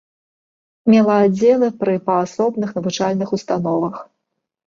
Мела аддзелы пры паасобных навучальных установах.